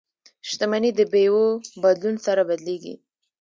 شتمني د بیو بدلون سره بدلیږي.